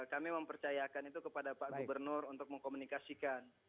kami mempercayakan itu kepada pak gubernur untuk mengkomunikasikan